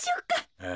ああ。